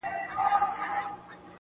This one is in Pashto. اوس خو پوره تر دوو بـجــو ويــښ يـــم_